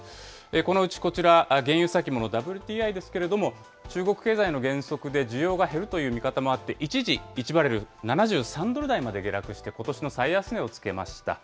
このうちこちら、原油先物・ＷＴＩですけれども、中国経済の減速で需要が減るという見方もあって、一時１バレル７３ドル台まで下落して、ことしの最安値をつけました。